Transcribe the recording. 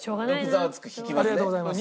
ありがとうございます。